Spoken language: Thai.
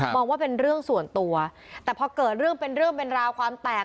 ว่าเป็นเรื่องส่วนตัวแต่พอเกิดเรื่องเป็นเรื่องเป็นราวความแตก